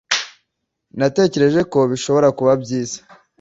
Natekereje ko bishobora kuba byiza.